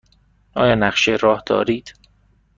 آیا نقشه راه دارید؟